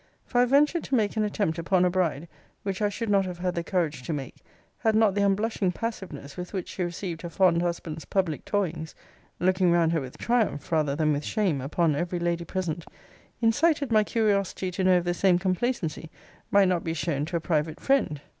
For I ventured to make an attempt upon a bride, which I should not have had the courage to make, had not the unblushing passiveness with which she received her fond husband's public toyings (looking round her with triumph rather than with shame, upon every lady present) incited my curiosity to know if the same complacency might not be shown to a private friend.